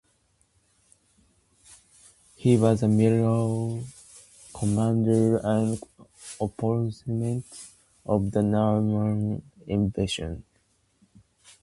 He was a military commander and opponent of the Norman invasion of Ireland.